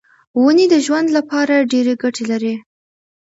ونې د ژوند لپاره ډېرې ګټې لري.